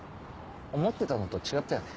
思ってたのと違ったよね？